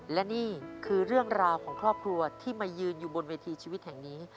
และนี่คือเรื่องราวของครอบครัวที่มายืนอยู่บนเวทีชีวิตแห่งนี้